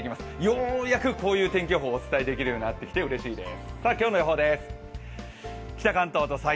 ようやくこういう天気予報をお伝えできるようになってうれしいです。